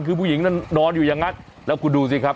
คือผู้หญิงนั้นนอนอยู่อย่างนั้นแล้วคุณดูสิครับ